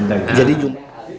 nah sesuai jawabannya pak